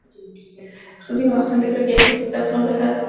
ځینې وختونه د کرکې احساس له کنټروله بهر دی.